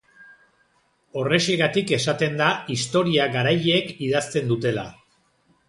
Horrexegatik esaten da historia garaileek idazten dutela.